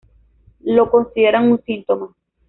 Lo considera un síntoma.